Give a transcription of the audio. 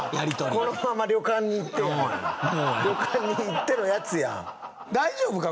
このまま旅館に行って旅館に行ってのやつやん大丈夫か？